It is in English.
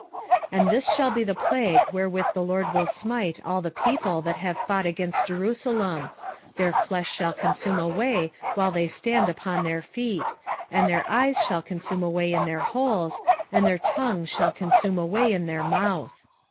14:12 And this shall be the plague wherewith the LORD will smite all the people that have fought against Jerusalem; Their flesh shall consume away while they stand upon their feet, and their eyes shall consume away in their holes, and their tongue shall consume away in their mouth.